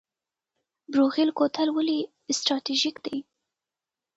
بروغیل کوتل ولې استراتیژیک دی؟